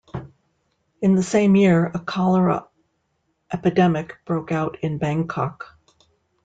In the same year, a cholera epidemic broke out in Bangkok.